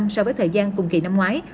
so với thời gian cùng kỳ năm ngoái